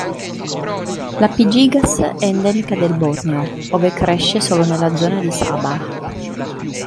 La "P. gigas" è endemica del Borneo, ove cresce solo nella zona di Sabah.